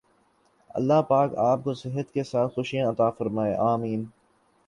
اللہ پاک آپ کو صحت کے ساتھ خوشیاں عطا فرمائے آمین